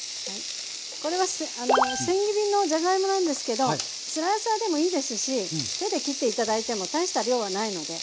これはせん切りのじゃがいもなんですけどスライサーでもいいですし手で切って頂いても大した量はないので。